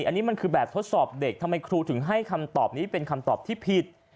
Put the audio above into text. อันนี้มันคือแบบทดสอบเด็กทำไมครูถึงให้คำตอบนี้เป็นคำตอบที่ผิด